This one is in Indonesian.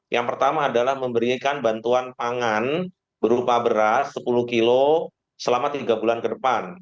yang pertama adalah memberikan bantuan pangan berupa beras sepuluh kilo selama tiga bulan ke depan